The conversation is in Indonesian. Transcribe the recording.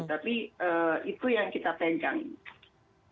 tapi itu yang kita tencangin